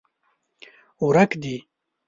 ورک دي